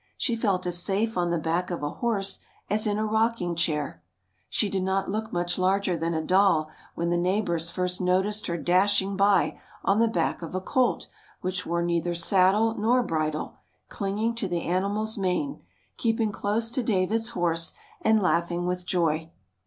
She felt as safe on the back of a horse as in a rocking chair. She did not look much larger than a doll when the neighbors first noticed her dashing by on the back of a colt which wore neither saddle nor bridle, clinging to the animal's mane, keeping close to David's horse, and laughing with joy.